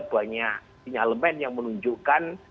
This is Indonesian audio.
banyak sinyalemen yang menunjukkan